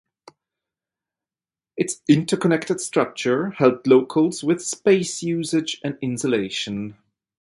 Its interconnected structure helped locals with space usage and insulation.